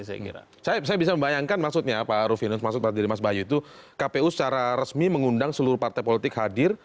saya bisa membayangkan maksudnya pak rufinus maksud tadi mas bayu itu kpu secara resmi mengundang seluruh partai politik hadir